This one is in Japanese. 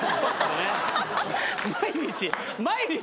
毎日。